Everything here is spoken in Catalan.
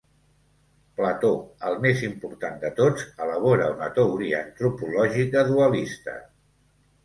Plató, el més important de tots, elabora una teoria antropològica dualista.